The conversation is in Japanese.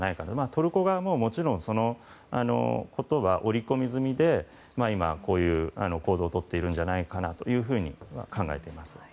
トルコ側ももちろんそのことは織り込み済みでこういう行動をとっているんじゃないかなと考えています。